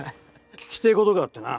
聞きてえことがあってな。